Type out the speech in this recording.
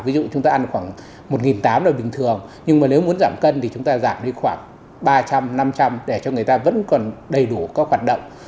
ví dụ chúng ta ăn khoảng một tám đời bình thường nhưng mà nếu muốn giảm cân thì chúng ta giảm đi khoảng ba trăm linh năm trăm linh để cho người ta vẫn còn đầy đủ các hoạt động